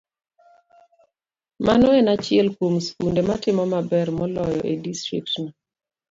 Mano en achiel kuom skunde matimo maber moloyo e distriktno.